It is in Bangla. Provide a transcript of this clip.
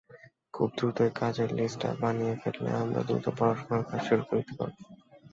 খুব দ্রুতই কাজের লিস্টটি বানিয়ে ফেললে আমরা দ্রুত পড়াশুনার কাজ শুরু করে দিতে পারবো।